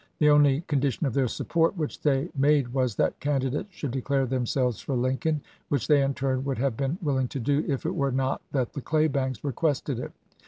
The only con dition of their support which they made was that candidates should declare themselves for Lincoln, which they in turn would have been willing to do if it were not that the "Claybanks" requested it.